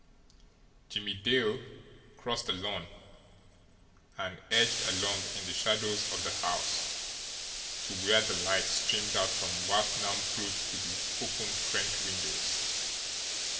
Jimmie Dale crossed the lawn, and edged along in the shadows of the house to where the light streamed out from what now proved to be open French windows.